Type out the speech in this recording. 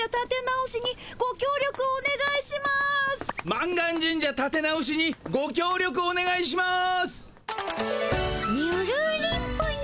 満願神社たて直しにごきょう力おねがいします。